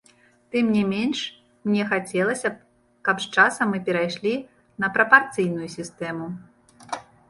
Тым не менш, мне хацелася б, каб з часам мы перайшлі на прапарцыйную сістэму.